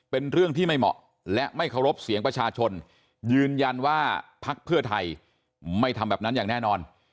เป็นเรื่องที่ไม่เหมาะและไม่เคารพเสียงประชาชนยืนยันว่าภักดิ์เพื่อไทยไม่ทำแบบนั้นอย่างแน่นอน